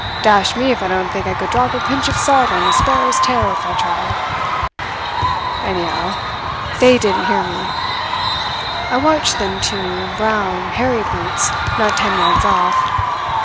"Dash me if I don't think I could drop a pinch of salt on a sparrow's tail, if I tried. Anyhow, they didn't hear me. I watched them two brown, hairy brutes not ten yards off.